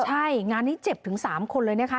ใช่งานนี้เจ็บถึง๓คนเลยนะคะ